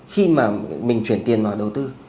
khi mà mình chuyển tiền vào đầu tư